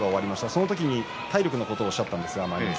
その時に体力のことをおっしゃっていましたね。